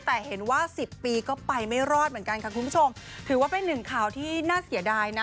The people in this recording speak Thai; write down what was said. แต่เห็นว่าสิบปีก็ไปไม่รอดเหมือนกันค่ะคุณผู้ชมถือว่าเป็นหนึ่งข่าวที่น่าเสียดายนะ